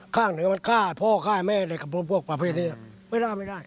ข้างถึงมันฆ่าพ่อฆ่าแม่พวกประเภทนี้ไม่ได้